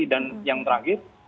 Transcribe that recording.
dan yang terakhir